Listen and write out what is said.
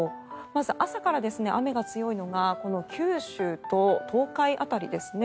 まず朝から雨が強いのがこの九州と東海辺りですね。